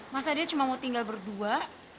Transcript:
masa dia cuma mau tinggal berdua